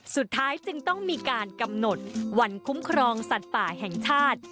สุดท้ายจึงต้องมีการกำหนดวันคุ้มครองสัตว์ป่าแห่งชาติ